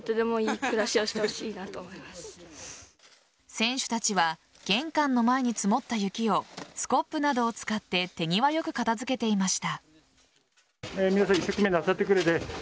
選手たちは玄関の前に積もった雪をスコップなどを使って手際よく片付けていました。